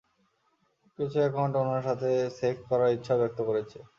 কিছু একাউন্ট উনার সাথে সেক্স করার ইচ্ছাও ব্যক্ত করেছে!